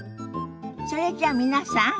それじゃあ皆さん